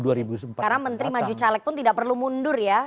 karena menteri maju caleg pun tidak perlu mundur ya